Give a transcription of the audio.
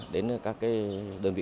đến các đơn vị